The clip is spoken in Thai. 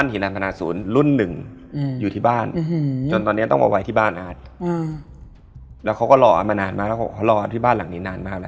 น้องหน้าข่าวนะฮะ